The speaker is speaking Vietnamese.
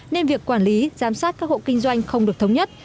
nên việc quản lý giám sát các hộ kinh doanh không được thống nhất